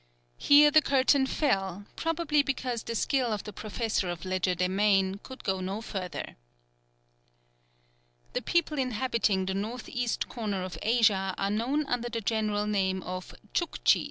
Here the curtain fell, probably because the skill of the professor of legerdemain could go no further. The people inhabiting the north east corner of Asia are known under the general name of Tchouktchis.